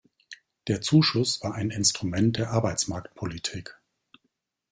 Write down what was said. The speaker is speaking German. Der Zuschuss war ein Instrument der Arbeitsmarktpolitik.